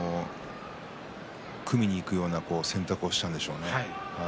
組みにいくような選択をしたんでしょうね。